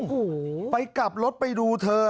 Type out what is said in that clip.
โอ้โหไปกลับรถไปดูเธอ